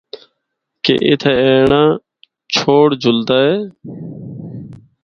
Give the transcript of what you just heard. کہ اِتھا اینڑا چُھوڑ جُلدا اے۔